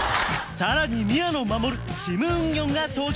さらに宮野真守シム・ウンギョンが登場！